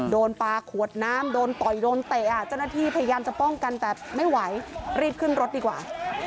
โดนปลาขวดน้ำโดนต่อยโดนเตะเจ้าหน้าที่พยายามจะป้องกันแต่ไม่ไหวรีบขึ้นรถดีกว่า